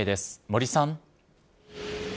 森さん。